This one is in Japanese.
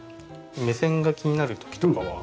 目線が気になる時とかは。